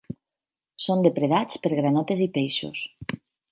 Són depredats per granotes i peixos.